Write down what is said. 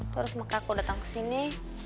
terus makanya aku datang kesini